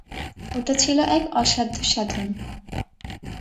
ওটা ছিল এক অসাধ্য সাধন।